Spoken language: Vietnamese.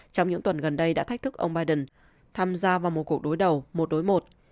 trong những tuần gần đây đã thách thức ông biden tham gia vào một cuộc đối đầu một đối một